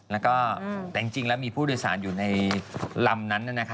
แล้วก็แต่จริงแล้วมีผู้โดยสารอยู่ในลำนั้น